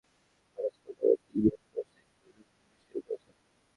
সেখানে বলা হয়েছে, গবেষকেরা অটোস্কোপ নামে একটি ইমেজ প্রসেসিং প্রযুক্তি আবিষ্কার করেছেন।